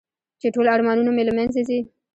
چې ټول ارمانونه مې له منځه ځي .